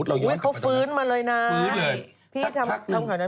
อุ๊ยเขาฟื้นมาเลยนะ